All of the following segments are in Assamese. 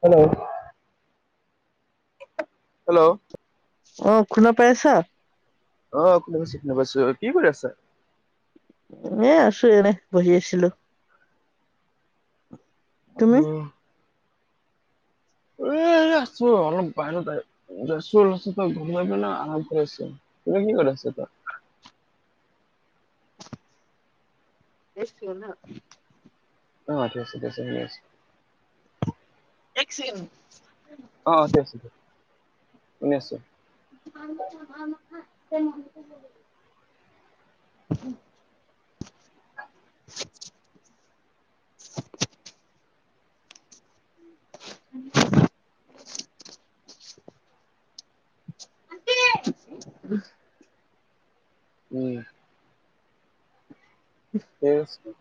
হেল্ল' হেল্ল' অঁ, শুনা পাইছা? অঁ, শুনি আছোঁ শুনি আছোঁ। কি কৰি আছা? এনেই আছো এনেই বহি আছিলোঁ। তুমি অঁ এ এনেই আছোঁ অলপ বাহিৰতে গছৰ তলতে। গৰম লাগে না আৰাম কৰি আছোঁ। তুমি কি কৰি আছিলা? এ চি অ ' না? অঁ, ঠিক আছে, ঠিক আছে, ঠিক আছে। এক চেকেণ্ড। অঁ, ঠিক আছে দিয়া শুনি আছোঁ। আলনেখাওঁ - বালনেখাওঁ কৈ নেথাকিবি মোক যে। [inaudible] আণ্টি হয়। [unintelligible] শুই আছিলোঁ।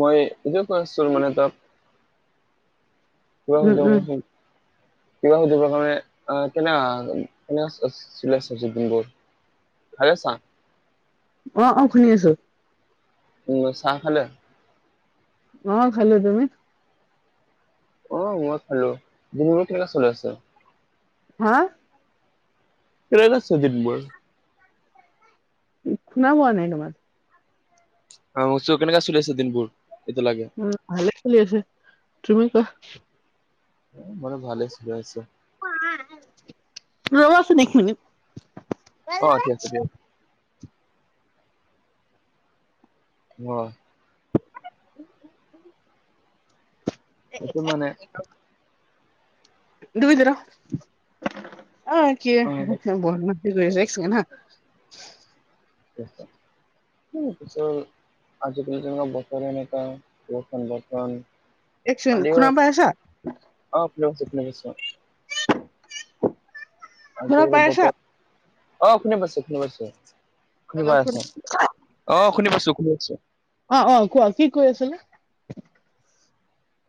মই এইটোৱে কৈ আছিলো মানে তাত মই শুই উম যোৱা উম আগলৈকে কৰিম। কিবা সুধিবৰ কাৰণে আ কেনেকাকে কেনেকা চা আছিলে [unintelligible] বোৰ আৰে চা অঁ, অ শুনি আছোঁ। উম, চাহ খালে? অঁ, খালো তুমি? অঁ, মই খালো। দিনবোৰ কেনে চলি আছে? হাঁ। কেনেকুৱা চলিছে দিনবোৰ? শুনা পোৱা নাই তোমাৰ অঁ উৎসৱত কেনেকা চলি আছে দিনবোৰ এতিয়ালৈকে? অঁ, ভাল চলি আছে। তুমি কোৱা? মোৰো ভালে চলি আছে। ৰ'বাচোন এক মিনিট। অঁ, ঠিক আছে দিয়া। অঁ সেইটো মানে দুইদৰো, অঁ কি হেহ্ অ', হেহ্, বতমাচি কৰি আছে এক ছেকেণ্ড হাঁ। ওঁ পিছত। আজিকালি তেনেকুৱা বতৰে এনেকুৱা বৰষুণ বৰষুণ। এক ছেকেণ্ড শুনা পাই আছা? অঁ, শুনি আছোঁ, শুনি আছোঁ। শুনা আজিকালি পাই আছা বতৰ অ শুনি পাইছোঁ, শুনি পাইছোঁ। শুনি হেল্ল' পাই শুনা আছা? অঁ, শুনি পাইছো, শুনি পাইছোঁ। অঁ, অঁ কোৱা, কি কৈ আছিলে?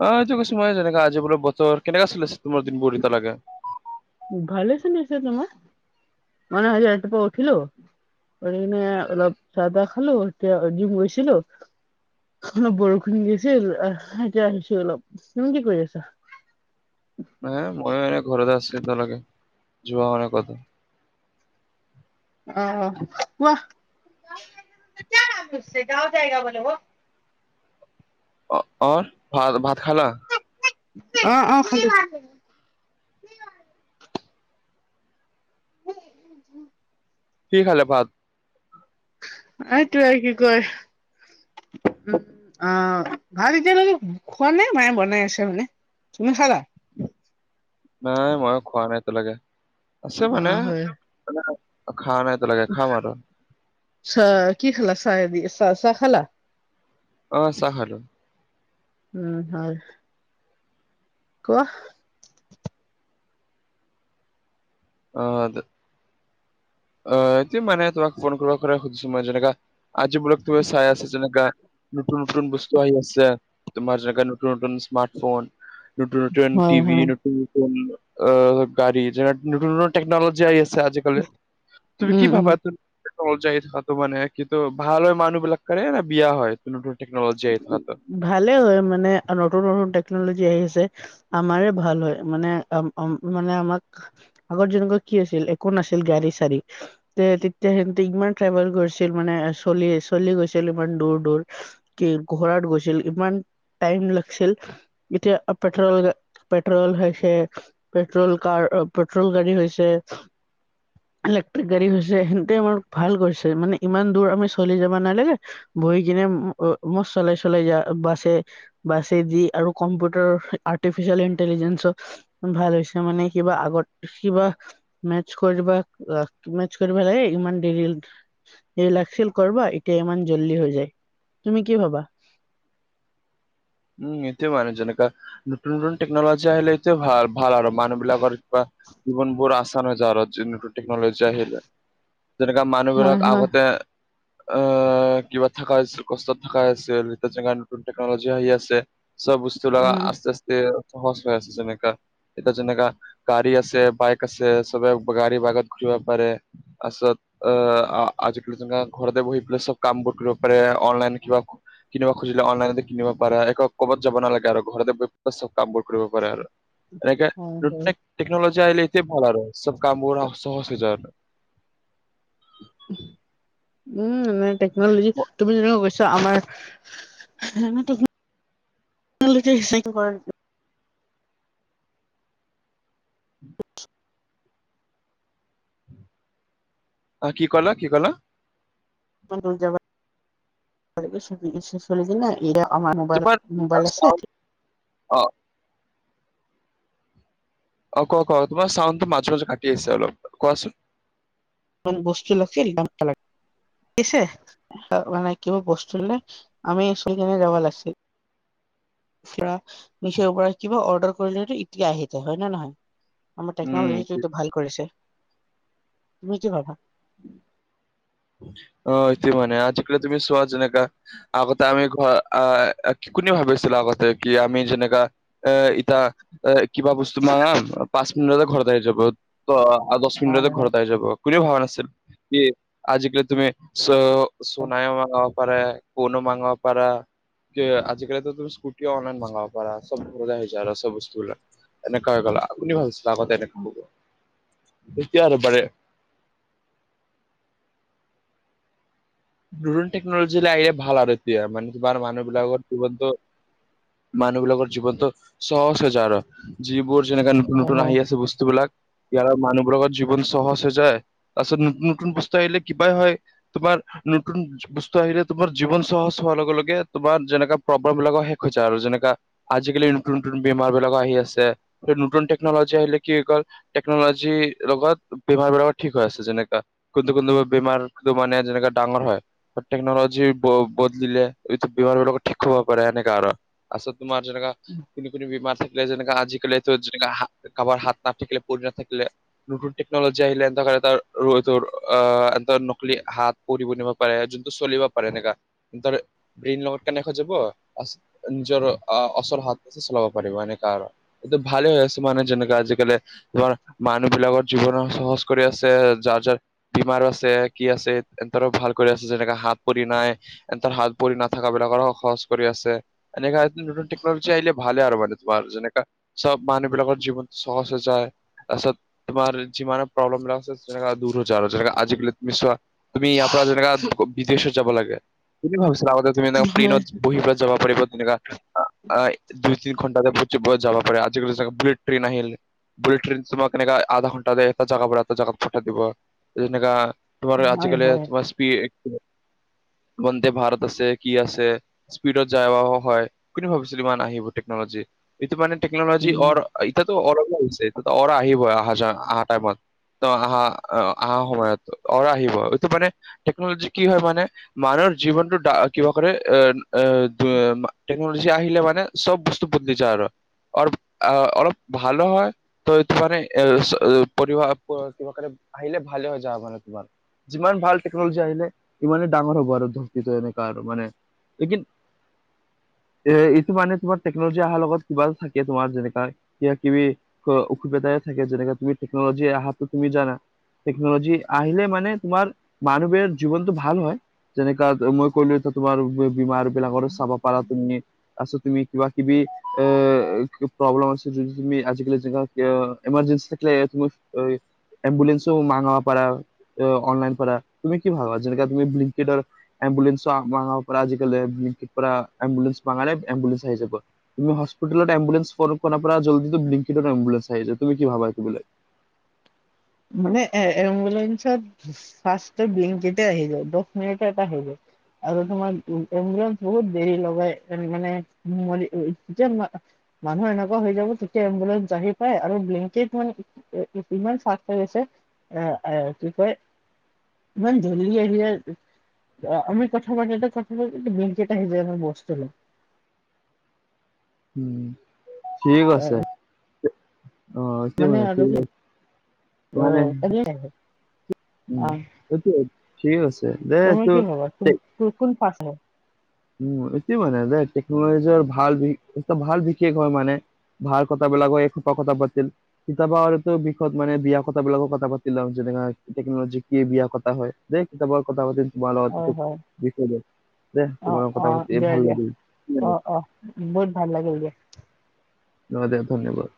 অঁ এইটো কৈছো মই যেনেকা আজি বোলো বতৰ কেনেকা চলি আছে তোমাৰ দিনবোৰ এতিয়ালৈকে। ভালেই চলি আছে, তোমাৰ? মানে আজি ৰাতিপুৱা উঠিলো উঠিকেনে অলপ চাহ- তাহ খালো। এতিয়া জিম গৈছিলো অলপ বৰষুণ দি আছিল আহ্ এতিয়া আহিছোঁ অলপ তুমি কি কৰি আছা? হে ময়ো এনে ঘৰতে আছো তৰ আগে, যোৱা হোৱা নাই কতো। অঁ কোৱা? [unintelligible] অৰ ভাল ভাত খালা? অঁ অঁ খালোঁ। কি খালে ভাত? এইটোৱে আ কি কয়। উম, অঁ ভাল এতিয়া খোৱা নাই মায়ে বনাই আছে মানে। তুমি খালা? নাই মই খোৱা নাই এতিয়ালৈকে, আছে মানে অ', হয় খোৱা নাই। তিয়ালগে খাম আৰু। চাহ কি খালা চাহ দি চাহ চাহ খালা। অঁ চাহ খালো। উম হয়, কোৱা? অঁ, অঁ সেইটোৱে মানে তোমাক ফোন কৰিব পৰা সুধিছো মই যেনেকা আজিবোলক তুমি চাই আছা যেনেকা নতুন নতুন বস্তু আহি আছে। তোমাৰ জেগা নতুন নতুন স্মাৰ্টফোন, নতুন নতুন হয়, টিভি। হয়, নতুন নতুন অ গাড়ী যেনে নতুন নতুন তেকনলজি আহি আছে আজি কালি, তুমি কি উম, উম। ভাবা তুম টেকনোলজি যাই থাকাতটো মানে কিন্তু ভাল হয় মানুহ বিলাক এ বেয়া হয়। নতুন নতুন টেকনোলজি আহি থকা ভালে হয় মানে নতুন নতুন টেকনোলজি আহি আছে। আমাৰে ভাল হয় মানে মানে আমাক আগৰ যেনকা কি আছিল একো নাছিল গাড়ী চাৰী। তে তেতিয়া সিহঁতি ইমান ট্ৰেভেল কৰিছিল মানে চলি চলি গৈছিল ইমান দূৰ দূৰ। কি ঘোঁৰাত গৈছিল ইমান টাইম লাগিছিল এতিয়া পেট্ৰ'ল গা পেট্ৰ'ল হৈছে, পেট্ৰ'ল কাৰ পেট্ৰ'ল গাড়ী হৈছে। ইলেক্ট্ৰিক গাড়ী হৈছে সেইটোৱে আমাৰ ভাল কৰিছে মানে ইমান দূৰ আমি চলি যাব নালাগে বহি কিনে চলাই চলাই যায় বাচে। বাছে দি আৰু কম্পিউটাৰ আৰ্টিফিচিয়েল ইন্টেলিজেন্ঞ্চ ভাল হৈছে মানে কিবা, আগত কিবা মেচ কৰিব মেচ কৰিব লাগে ইমান দেৰি দেৰি লাগছিল কৰব এতিয়া ইমান জল্দি হৈ যায়। তুমি কি ভাবা? উম এটোয়ে মানে যেনেকা, নতুন নতুন টেকন'লজি আহিলে এটোয়ে ভাল। ভাল আৰু মানুহ বিলাকৰ কিবা জীৱন বোৰ আচান হৈ যায় আৰু যি নতুন টেকনলজি যায় সেইবিলাক, আহিলে যেনেকা মানুহবিলাক হয় হয় আগতে আঁহ কিবা থকা হৈছিল কষ্টত থকা হৈছিল যিটো জেগাত নতুন টেকনলজি আহি আছে। চব বস্তু লগা উম আস্তে আস্তে সহজ হৈ আছে যেনেকা। এতিয়া যেনেকা গাড়ী আছে বাইক আছে সবে গাড়ী বাইকত ঘূৰিব পাৰে। আচ অ আজিকালি যেনেকা ঘৰতে বহি পেলাই চব কাম বোৰ কৰিব পাৰে, অনলাইন কিবা কিনিব খুজিলে অনলাইনতে কিনিব পাৰে ডাইৰেক্ট। ক'বাত যাব নালাগে আৰু ঘৰতে চব কাম বোৰ কৰিব পাৰে আৰু এনেকে হয় হয় প্ৰত্যেক টেকনোলজি আহিলে সেইটোৱে ভাল আৰু চব কামবোৰ সহজ হৈ যায়। উম নে টেকনলজি তুমি যেনেকে কৈছা আমাৰ [unintelligible] অ কি কলা কি কলা [unintelligible] চলি কি না এইতি আমাৰ মোবাইল তোমাৰ মোবাইল আছে অ অ ক ক তোমাৰ চাউণ্ডটো মাজে মাজ কাটি আহিছে অলপ কোৱাচোন মান বস্তু লাগিছিল দামটো লাগ- গিছে অ মানে কিবা বস্তুলে আমি [unintelligible] পৰা মিছৰৰ পৰা কিবা অৰ্ডাৰ কৰিলেটো ইতে আহি যায় হয় না নহয় আমাৰ উম টেকনলজি এইটো টো ভাল কৰিছে তুমি কি ভাবা অ এইটো মানে আজি-কালি তুমি চোৱা যেনেকা আগতে আমি ঘ আহ কি কোনে ভাবিছিল আগতে কি আমি যেনেকা এ ইটা এই কিবা বস্তু মাঙাম পাঁচ মিনিটতে ঘৰত আহি যাব ত আৰু দহ হয় মিনিটতে ঘৰত আহি যাব। কোনোৱে ভাবা নাছিল কি আজি-কালি তুমি চ [unintelligible] ফনো মাংগাৰ পাৰা তে আজি-কালি তো তুমি স্কুটিও অনলাইন মঙাব পাৰা সব ঘাৰতে আহি যায় আৰু সব বস্তুবিলাক। এনেকুৱা হৈ গ'ল আপুনি ভাবিছিলা আগতে এনেকুৱা হ'ব এতিয়া এনেদৰে নতুন টেকনলজী লৈ আহিলে ভাল আৰু এতিয়া মানে তোমাৰ মানুহবিলাকৰ [unintelligible] মানুহ বিলাকৰ জীৱনতো সহজ হৈ যায় আৰু যিবোৰ যেনেকে নতুন হয় নতুন আহি আছে বস্তুবিলাক ইয়াৰ মানুহ বিলাকৰ জীৱন সহজ হৈ যায় তাৰপিছত নতুন নতুন বস্তু আহিলে কিবাই হয় তোমাৰ নতুন বস্তু আহিলে তোমাৰ জীৱন সহজ হোৱাৰ লগে লগে তোমাৰ যেনেকা প্ৰব্লেম বিলাকো শেষ হৈ যায় আৰু যেনেকা আজি-কালি নতুন নতুন বেমাৰ বিলাকো আহি আছে নতুন টেকনলজি আহিলে কি হৈ গ'ল টেকনলজিৰ লগত বেমাৰ বিলাকো ঠিক হৈ আছে যেনেকা কোনটো কোনটো বেমাৰ ৰূপটো মানে যেনেকা ডাঙৰ হয় টেকনলজিৰ ব বদলিলে এইটো বেমাৰবিলাকো ঠিক হ'ব পাৰে সেনেকা আৰু। তাৰপিছত তোমাৰ যেনেকা কোনো কোনো বেমাৰ থাকিলে যেনেকে আজি-কালিটো যেনেকা কাবাৰ হাত নাথাকিলে ভৰি নাথাকিলে নতুন টেকনলজি আহিলে এন তকা এতাৰ ৰজৰ এনত নকলি হাত কৰিব নিব পাৰে যোনটো চলিব পাৰে সেনেকা ধৰ ব্ৰেইন লগত কানেক্ট হৈ যাব। নিজৰ অ আ ওচৰ হাত চলাব পাৰিব এনেকুৱা আৰু এইটো ভালে হৈ আছে মানুহ যেনকা আজি-কালি তোমাৰ মানুহ বিলাকৰ জীৱন সহজ কৰি আছে যাৰ যাৰ বেমাৰ আছে কি আছে এ ধৰ ভাল কৰি আছে যেনেকাে হাত, ভৰি নাই এনতাৰ হাত, ভৰি নাথাকা বিলাকৰো সহজ কৰি আছে এনেকা নতুন নতুন টেকনলজি আহিলে ভালে আৰু মানে তোমাৰ যেনেকা চব মানুহ বিলাকৰ জীৱন সহজ হৈ যায়। তাৰপিছত তোমাৰ যিমানে প্ৰব্লেম বিলাক আছে যেনেকা দূৰ হৈ যায় আৰু যেনেকা আজি-কালি তুমি চোৱা তুমি ইয়াৰ পৰা যেনেকা বিদেশত যাব লাগে তুমি ভাবিছিলা আগতে তুমি এনেকা হয় প্লেইনট বহি পেলাই যাব পাৰিবা তেনেকুৱা। দুই, তিনি ঘণ্টাতে [unintelligible] যাব পাৰে আজি-কালি [unintelligible] বুলেট ট্ৰেইন আহিল। বুলেট ট্ৰেইনে তোমাক কেনেকা আধা ঘণ্টাতে এটা জাগা পৰা এটা জাগাত পঠাই দিব যেনেকা হয় হয় এক্সিৰিয়েক্স বন্দে ভাৰত আছে কি আছে স্পীডত যায় আও আও হয় কিন্তু ম ভাবিছিলো ইমান আহিব টেকনলজি এইটো মানে টেকনলজি উম অৰ এতিয়াতো অৰ হৈছে এতিয়া অৰা আহিবই আহা যোৱা আহা টাইমত ত আহাহা আ আহা সময়ত অৰ আহিব এইটো মানে টেকনলজি কি হয় মানে মানুহৰ জীৱনটো দা কিবা কৰে এ এ টেকনলজি আহিলে মানে চব বস্তু বদলি যায় আৰু অ অলপ ভালো হয় ত এইটো মানে এ চ পৰিবা প কিবা কাণে আহিলে ভালে হৈ যাবা মানে তোমাৰ যিমান ভাল টেকনলজি আহিলে সিমানেই ডাঙৰ হ'ব আৰু [unintelligible] এনেকা আৰু মানে লেকিন এ এইটো মানে তোমাৰ টেকনলজি অহাৰ লগত কিবা থাকে তোমাৰ যেনেকা কিবা কিবি ক অসুবিধাই থাকে যেনেকে তুমি টেকনলজি আহাটো তুমি জানা টেকনোলজি আহিলে মানে তোমাৰ মানুহবোৰে জীৱনটো ভাল হয় যেনেকা মই কলো তো তোমাৰ বি বিমাৰ বিলাকৰো চাব পাৰা তুমি আছো তুমি কিবা কিবি এ প্ৰব্লেম আছে যদি তুমি আজিকালি যেগা ইঅ এমাৰজেঞ্চি থাকিলে তুমি এম্বুলেন্সও মাঙাবা পাৰা অনলাইন পৰা তুমি কি ভাবা যেনেক তুমি ফ্লিপকেডৰ এম্বুলেঞ্চ [unintelligible] পৰা আজিকালি [unintelligible] পৰা এমুলেঞ্চ মাঙালে এম্বুলেঞ্চ আহি যাব তুমি হস্পিতালত এম্বুলেঞ্চ জল্দি জল্দি [unintelligible] তুমি কি ভাবা [unintelligible] মানে এ এম্বুলেন্সত ফাৰ্ষ্ট বিংটোতে আহিব দছ মিনিট আহিব আৰু তোমাৰ এম্বুলেন্স বহুত দেৰি লগাই হেতু কাণে [unintelligible] মানুহ এনেকুৱা হৈ যাব তেতিয়া এম্বুলেঞ্চ আহি পায় আৰু ব্লেকেট মানে ই ই ইমান চা হৈ গৈছে আ আ কি কয় ইমান ধূলি আহিয়ে আমি কথা পাতোতে পাতোতে বিংকেট আহি যায় মোৰ বস্তু উম ঠিক এ, আছে অ এতিয়া মানে আৰু কি এতিয়ালৈ অ খোৱা নাই এনেই আহে। অ, উম সেইটোৱে ঠিক আছে দে তুমি এইটো কি ভাবা কোন কোন পাছ হব উম এইটো মানে দে টেকনলজি আৰ ভাল ভাল বিশেষ হয় মানে ভাল কথাবেলাক এই হোপা কথা পতিম কিতাপৰ আৰুতো বিষয় মানে বিয়া কথাবিলাকো কথা পাতি লম যেনেকা টেকনলজি কি বিয়া কথা হয় দে কিতাপ কথা পাতিম তোমাৰ লগত হয় সেটো হয় বিষয় লৈ দে অ তোমাৰ লগত অ কথা পাতি দিয়া ভাল দিয়া লাগিল। অ অ বহুত ভাল লাগিল দিয়া অ দিয়া ধন্যবাদ